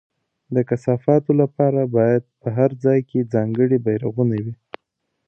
د کثافاتو لپاره باید په هر ځای کې ځانګړي بېرغونه وي.